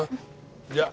じゃあ。